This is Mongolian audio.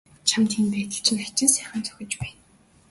Чамд энэ байдал чинь хачин сайхан зохиж байна.